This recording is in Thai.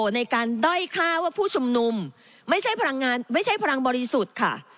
ในการด้อยฆ่าว่าผู้ชุมนุมไม่ใช่พลังงานไม่ใช่พลังบริสุทธิ์ค่ะ